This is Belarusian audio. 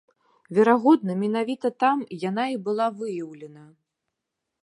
Верагодна, менавіта там яна і была выяўлена.